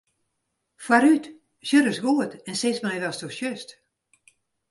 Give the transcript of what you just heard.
Foarút, sjoch ris goed en sis my watsto sjochst.